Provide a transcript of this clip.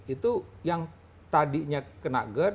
itu yang tadinya kena gerd